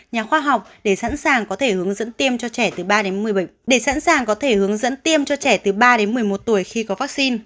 nhà khoa học để sẵn sàng có thể hướng dẫn tiêm cho trẻ từ ba một mươi một tuổi khi có vaccine